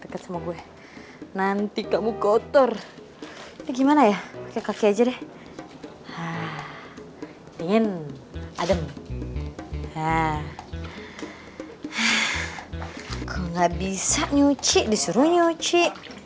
gak bisa nyuci disuruh nyuci